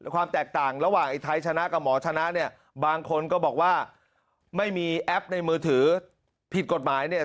ความแตกต่างระหว่างไอ้ไทยชนะกับหมอชนะเนี่ยบางคนก็บอกว่าไม่มีแอปในมือถือผิดกฎหมายเนี่ย